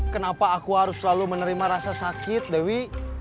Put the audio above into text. kenapa aku harus selalu menerima rasa sakit dewi